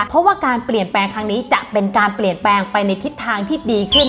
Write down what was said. เพราะว่าการเปลี่ยนแปลงครั้งนี้จะเป็นการเปลี่ยนแปลงไปในทิศทางที่ดีขึ้น